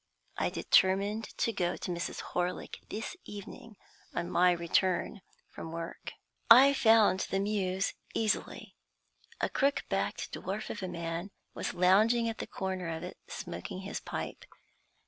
I determined to go to Mrs. Horlick this evening on my return from work. I found the Mews easily. A crook backed dwarf of a man was lounging at the corner of it smoking his pipe.